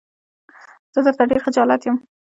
زه درته ډېر خجالت يم.